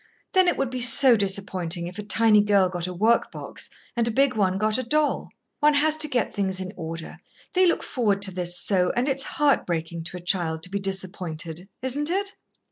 Then it would be so disappointing if a tiny girl got a work box and a big one got a doll. One has to get things in order. They look forward to this so, and it's heart breaking to a child to be disappointed, isn't it?"